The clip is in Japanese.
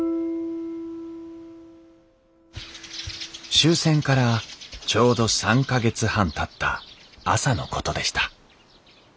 終戦からちょうど３か月半たった朝のことでした